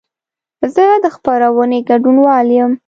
زه د خپرونې ګډونوال یم.